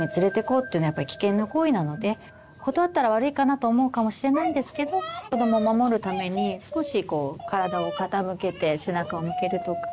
断ったら悪いかなと思うかもしれないんですけど子ども守るために少しこう体を傾けて背中を向けるとか。